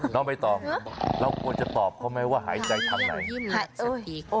เราไม่ตอบเราควรจะตอบเพราะไม่ว่าหายใจทางใด